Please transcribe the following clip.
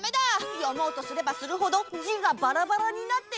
読もうとすればするほどじがバラバラになってにげていく！